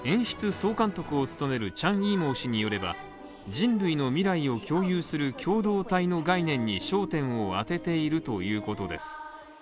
演出総監督を務める帳芸謀氏によれば、人類の未来を共有する共同体の概念に焦点を当てているということです。